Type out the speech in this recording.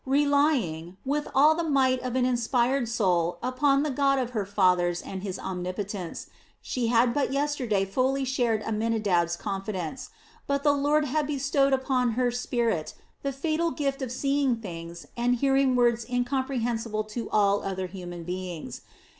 Relying, with all the might of an inspired soul upon the God of her fathers and his omnipotence, she had but yesterday fully shared Amminadab's confidence; but the Lord had bestowed upon her spirit the fatal gift of seeing things and hearing words incomprehensible to all other human beings.